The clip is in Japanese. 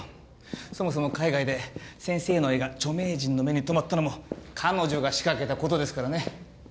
そもそも海外で先生の絵が著名人の目に留まったのも彼女が仕掛けた事ですからね。